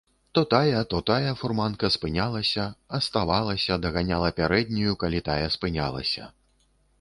То тая, то тая фурманка спынялася, аставалася, даганяла пярэднюю, калі тая спынялася.